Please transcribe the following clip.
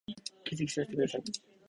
欠席させて下さい。